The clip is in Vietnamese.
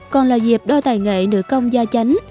còn là dịp đo tài nghệ nữ công gia chánh